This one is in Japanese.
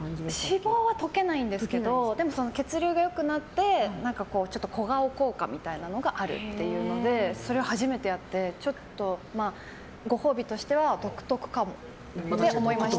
脂肪は溶けないんですけど血流が良くなって小顔効果みたいなのがあるというのでそれを初めてやってご褒美としては独特かもって思いました。